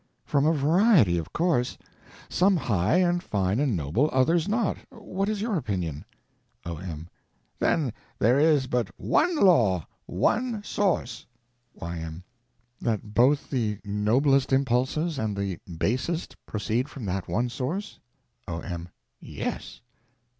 From a variety, of course—some high and fine and noble, others not. What is your opinion? O.M. Then there is but one law, one source. Y.M. That both the noblest impulses and the basest proceed from that one source? O.M. Yes.